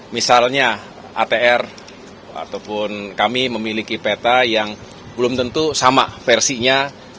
misalnya atr ataupun kami memiliki peta yang belum tentu sama versinya